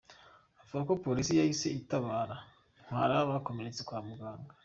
Avuga ko polisi yahise itabara, itwara abakomeretse kwa muganga.